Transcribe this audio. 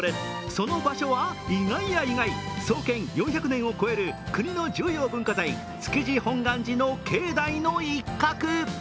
その場所は意外や意外、創建４００年を超える国の重要文化財、築地本願寺の境内の一角。